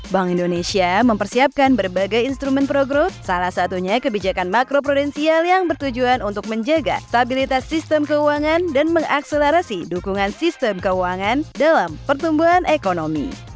bank indonesia mempersiapkan berbagai instrumen program salah satunya kebijakan makro prudensial yang bertujuan untuk menjaga stabilitas sistem keuangan dan mengakselerasi dukungan sistem keuangan dalam pertumbuhan ekonomi